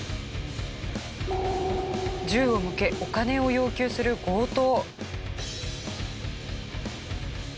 銃を向けお金を要求する強盗。